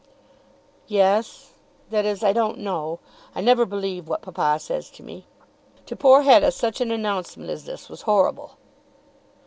"Yes; that is, I don't know. I never believe what papa says to me." To poor Hetta such an announcement as this was horrible.